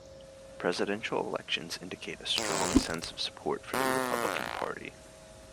Presidential elections indicate a strong sense of support for the Republican party.